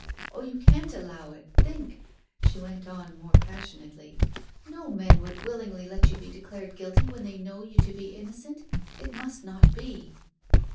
Oh, you can't allow it. Think," she went on, more passionately; "no men would willingly let you be declared guilty when they know you to be innocent. It must not be."